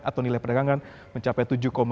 atau nilai perdagangan mencapai